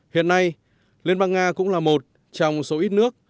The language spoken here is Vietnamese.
hiện nay liên bang nga cũng là một trong số ít nước